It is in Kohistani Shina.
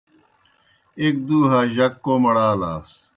ایْک دُوْ ہَا جک کوْمڑ آلاس۔